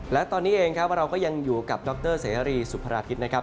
และตอนนี้เองครับว่าเราก็ยังอยู่กับดรเสรีสุภาราคิตนะครับ